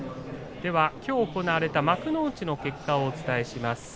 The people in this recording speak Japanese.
きょう行われた幕内の結果をお伝えします。